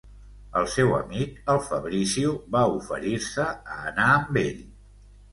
El seu amic, el Fabrizio, va oferir-se a anar amb ell.